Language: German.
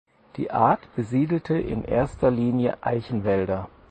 Die Art besiedelt in erster Linie Eichenwälder.